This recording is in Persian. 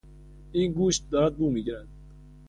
این گوشت دارد بو میگیرد.